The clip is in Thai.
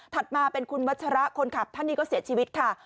มาเป็นคุณวัชระคนขับท่านนี้ก็เสียชีวิตค่ะ